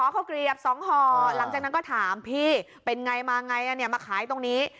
ข้าวเกลียบ๒ห่อหลังจากนั้นก็ถามพี่เป็นไงมาไงมาขายตรงนี้